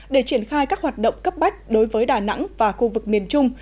để triển khai các hoạt động cấp bách đối với đà nẵng và khu vực miền trung